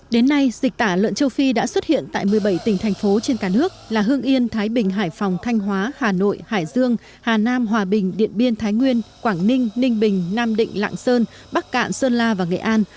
đến nay dịch tả lợn châu phi đã xuất hiện tại một mươi bảy tỉnh thành phố trên cả nước là hương yên thái bình hải phòng thanh hóa hà nội hải dương hà nam hòa bình điện biên thái nguyên quảng ninh ninh bình nam định lạng sơn bắc cạn sơn la và nghệ an